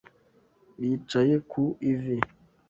Bicaye ku ivi